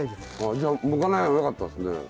じゃあむかない方がよかったですね。